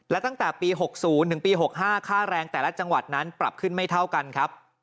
และตั้งแต่ปี๖๐ถึงปี๖๕ค่าแรงแต่ละจังหวัดนั้นปรับขึ้นไม่เท่ากันครับ